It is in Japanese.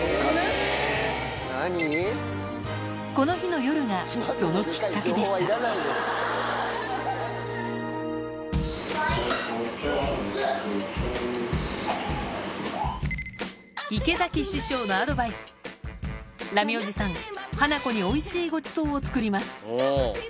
この日の夜がそのきっかけでした池崎師匠のアドバイスラミおじさんハナコにおいしいごちそうを作ります